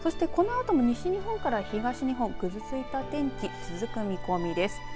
このあとも西日本から東日本ぐずついた天気が続く見込みです。